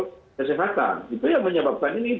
kesehatan itu yang menyebabkan ini